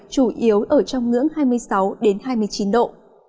chủ yếu ở trong ngưỡng hai mươi sáu hai mươi chín độ